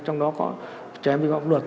trong đó có trẻ em đi vọng luật